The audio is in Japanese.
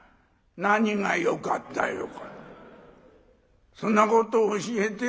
「何が『よかったよかった』。